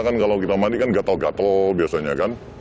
kan kalau kita mandi kan gatel gatel biasanya kan